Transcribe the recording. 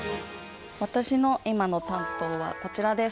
私の今の担当はこちらです。